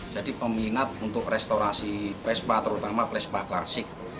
jadi peminat untuk restorasi vespa terutama vespa klasik